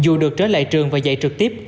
dù được trở lại trường và dạy trực tiếp